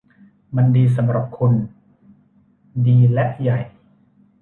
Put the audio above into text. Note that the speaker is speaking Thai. มันดีสำหรับคุณ -- ดีและใหญ่